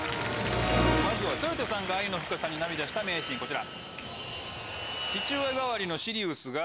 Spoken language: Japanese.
まずは豊田さんが愛の深さに涙した名シーンこちら。